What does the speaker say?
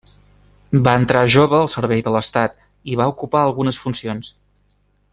Va entrar jove al servei de l'estat i va ocupar algunes funcions.